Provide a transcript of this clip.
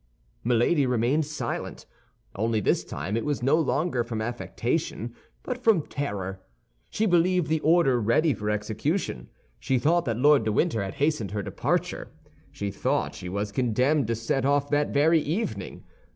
Milady remained silent; only this time it was no longer from affectation, but from terror. She believed the order ready for execution. She thought that Lord de Winter had hastened her departure; she thought she was condemned to set off that very evening.